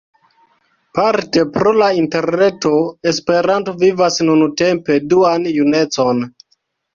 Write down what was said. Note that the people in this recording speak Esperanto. Parte pro la Interreto, Esperanto vivas nuntempe duan junecon.